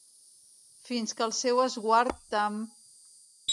Fins que el seu esguard tamb